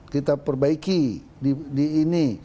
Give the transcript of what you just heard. kita perbaiki di ini